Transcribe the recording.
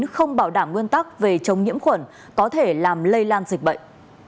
không bảo đảm nguyên tắc về chống nhiễm khuẩn có thể làm lây lan dịch bệnh